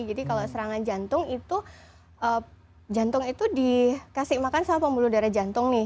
jadi kalau serangan jantung itu jantung itu dikasih makan sama pembuluh darah jantung nih